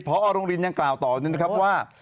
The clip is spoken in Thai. พระออกรุงรินยังกล่าวต่อวันนี้นะครับว่า